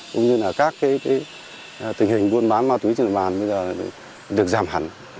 cũng như là các tình hình buôn bán ma túy trên địa bàn bây giờ được giảm hẳn